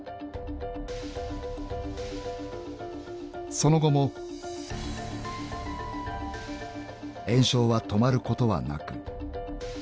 ［その後も延焼は止まることはなく］